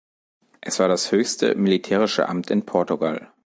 Es war das höchste militärische Amt in Portugal.